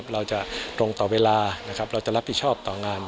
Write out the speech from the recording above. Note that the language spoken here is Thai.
เราจะตรงต่อเวลาเราจะรับผิดชอบต่องาน